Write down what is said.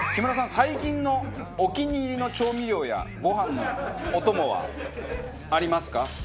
最近のお気に入りの調味料やご飯のお供はありますか？